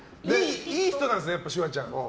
いい人なんですねシュワちゃん。